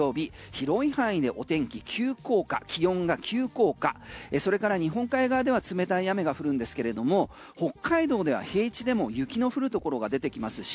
広い範囲で気温が急降下それから日本海側では冷たい雨が降るんですけれども北海道では平地でも雪の降るところが出てきますし